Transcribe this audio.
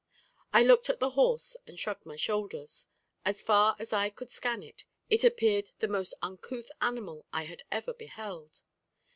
I looked at the horse, and shrugged my shoulders. As far as I could scan it, it appeared the most uncouth animal I had ever beheld.